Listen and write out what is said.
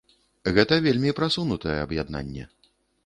Гэта вельмі прасунутае аб'яднанне.